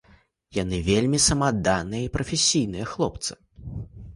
Яны вельмі самаадданыя і прафесійныя хлопцы.